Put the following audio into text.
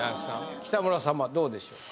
北村様どうでしょうか？